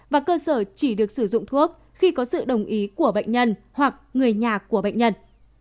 và cơ sở chỉ được sử dụng thuốc khi có sự đồng ý của bệnh nhân hoặc người nhà của bệnh nhân